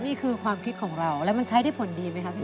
นี่คือความคิดของเราแล้วมันใช้ได้ผลดีไหมครับพี่